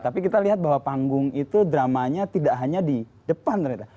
tapi kita lihat bahwa panggung itu dramanya tidak hanya di depan ternyata